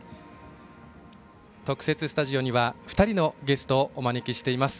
特設スタジオには２人のゲストをお招きしています。